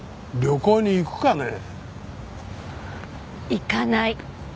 行かない。